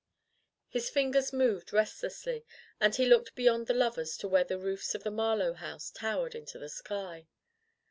His fingers moved restlessly, and he looked beyond the lovers to where the roofs of the Marlowe house towered into the sky.